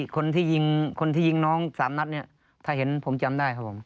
คนที่ยิงคนที่ยิงน้อง๓นัดเนี่ยถ้าเห็นผมจำได้ครับผม